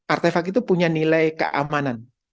artefak itu punya nilai keamanan